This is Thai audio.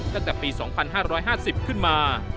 ตั้งแต่ปี๒๕๕๐ขึ้นมา